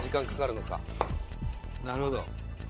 なるほど。